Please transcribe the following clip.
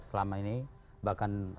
selama ini bahkan